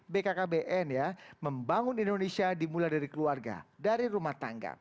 jadi bkkbn ya membangun indonesia dimulai dari keluarga dari rumah tangga